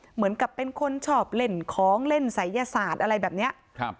เหมือนกับเป็นคนชอบเล่นของเล่นศัยยศาสตร์อะไรแบบเนี้ยครับ